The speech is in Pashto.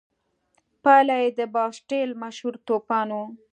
پایله یې د باسټیل مشهور توپان و.